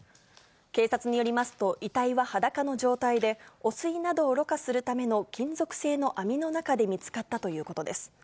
警察によりますと、遺体は裸の状態で、汚水などをろ過するための金属製の網の中で見つかったということです。